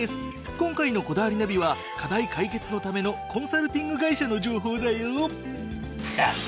今回の『こだわりナビ』は課題解決のためのコンサルティング会社の情報だよ。